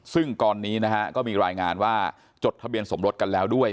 ซึ่งตอนนี้นะฮะก็มีรายงานว่าจดทะเบียนสมรสกันแล้วด้วย